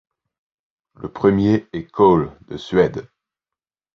Le premier est Kol de Suède.